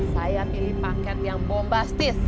saya pilih paket yang bombastis